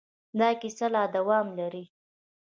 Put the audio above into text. دا کیسه لا دوام لري.